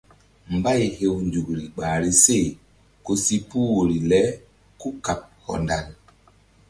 Mbay hew nzukri ɓahri se ku si puh woyri le kúkaɓ hɔndal.